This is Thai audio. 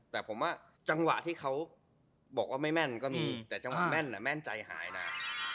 แต่ผมว่าจังหวะที่เขาบอกว่าไม่แม่นก็มีแต่จังหวะแม่นแม่นใจหายนะ